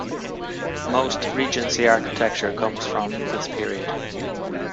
Most Regency architecture comes from this period.